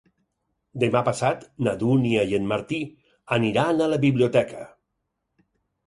Demà passat na Dúnia i en Martí aniran a la biblioteca.